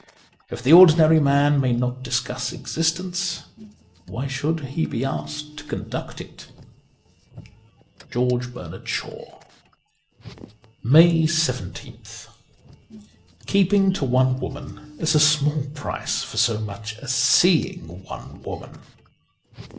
If the ordinary man may not discuss existence, why should he be asked to conduct it ?* George Bernard Shaw J 149 MAY 17th KEEPING to one woman is a small price for so much as seeing one woman.